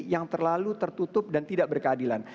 yang terlalu tertutup dan tidak berkeadilan